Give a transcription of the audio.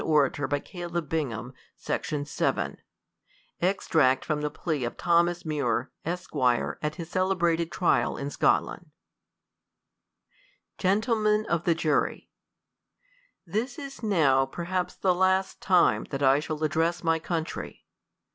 Extract THE COLUMBIAN ORATORc Extract from the Plea of Thomas Muir, Esq, AT HIS CELEBRATED TrIAL IN SCOTLAND. Gentlemen of the Jurv, THIS is now perhaps the last time that I shall ad dress my country.